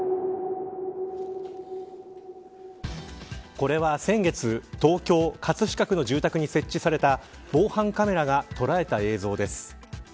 これは先月東京・葛飾区の住宅に設置された防犯カメラが捉えた映像です。